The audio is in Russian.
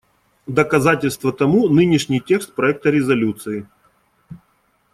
Доказательство тому — нынешний текст проекта резолюции.